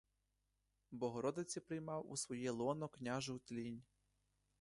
Богородиці приймав у своє лоно княжу тлінь.